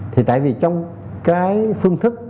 thì tại vì trong cái phương thức